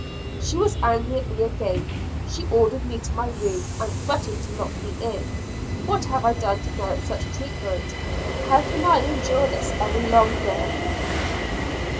She was angry at me again; she ordered me to my room, and threatened to lock me in. What have I done to merit such treatment? How can I endure this any longer!